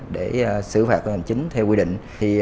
để xử phạt hành chính theo quy định